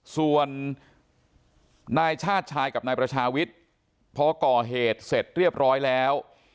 ส่วนนายชาติชายกับนายประชาวิทย์พอก่อเหตุเสร็จเรียบร้อยแล้ว